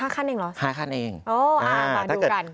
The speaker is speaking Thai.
๕ขั้นเองเหรอคะ๕ขั้นเองอ้าวมาดูกัน